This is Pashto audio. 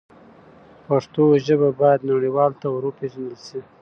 پښتو ژبه باید نړیوالو ته ور وپیژندل سي.